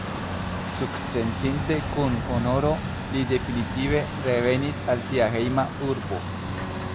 Sukcesinte kun honoro, li definitive revenis al sia hejma urbo.